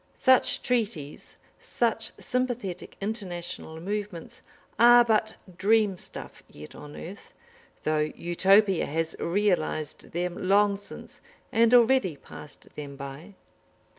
Such treaties, such sympathetic international movements, are but dream stuff yet on earth, though Utopia has realised them long since and already passed them by.